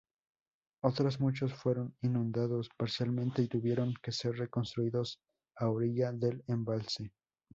Otros muchos fueron inundados parcialmente y tuvieron que ser reconstruidos a orilla del embalse.